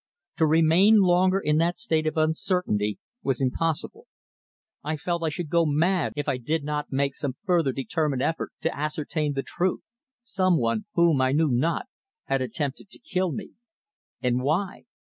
To remain longer in that state of uncertainty was impossible. I felt I should go mad if I did not make some further determined effort to ascertain the truth. Some one, whom I knew not, had attempted to kill me. And why?